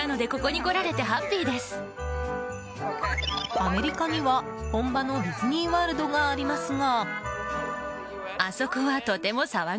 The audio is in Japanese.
アメリカには本場のディズニーワールドがありますが。